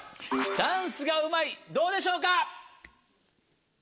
ダンスがうまいどうでしょうか？